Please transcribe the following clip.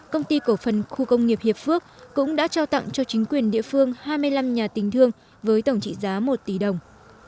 công ty cổ phần khu công nghiệp hiệp phước cũng đã trao tặng cho chính quyền địa phương hai mươi năm nhà tình thương với tổng trị giá một tỷ đồng